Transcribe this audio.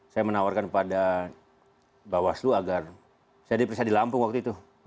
saya menawarkan kepada bawaslu agar saya diperiksa di lampung waktu itu